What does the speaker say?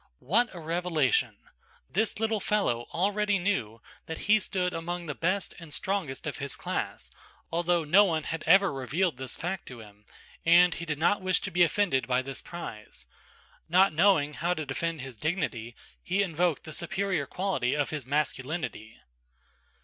What a revelation! This little fellow already knew that he stood among the best and strongest of his class, although no one had ever revealed this fact to him, and he did not wish to be offended by this prize. Not knowing how to defend his dignity, he invoked the superior quality of his masculinity!